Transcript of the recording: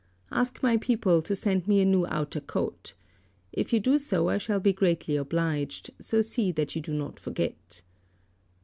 Ask my people to send me a new outer coat. If you do so I shall be greatly obliged, so see that you do not forget."